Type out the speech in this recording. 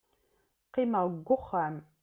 qqimeɣ deg uxxam